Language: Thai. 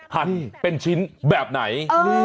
หั่นเป็นชิ้นแบบไหน